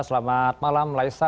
selamat malam laisa